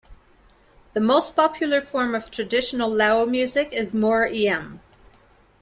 The most popular form of traditional Lao music is mor lam.